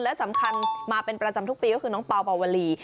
และสำคัญมาเป็นประจำทุกปีก็คือน้องเปล่าปาวลี